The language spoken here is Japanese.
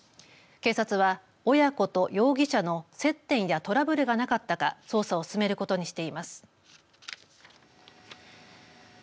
警察は親子と容疑者の接点やトラブルがなかったか捜査を進めることにしています。